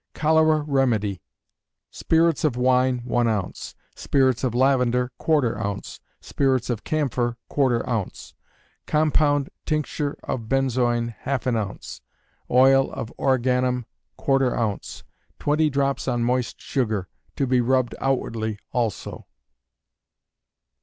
Cholera Remedy. Spirits of wine, one ounce; spirits of lavender, quarter ounce; spirits of camphor, quarter ounce; compound tincture of benzoin, half an ounce; oil of origanum, quarter ounce; twenty drops on moist sugar. To be rubbed outwardly also.